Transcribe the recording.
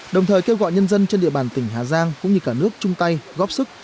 đồng thời kêu gọi nhân dân trên địa bàn tỉnh hà giang cũng như cả nước chung tay góp sức